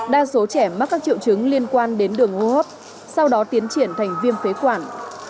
đa số trẻ mắc các triệu chứng liên quan đến đường hô hấp sau đó tiến triển thành viêm phế quản